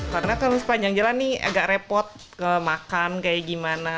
karena selama sepanjang jalan ini agak repot ke makan kayak gimana